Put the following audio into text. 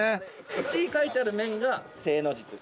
字書いてある面が正面。